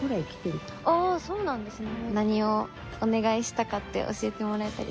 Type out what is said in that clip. そうなんですね。